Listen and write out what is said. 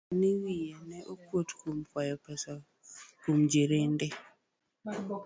Nowacho ni wiye ne kuot kwayo pesa kuom jirende